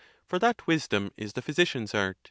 For that wisdom is the physician's art.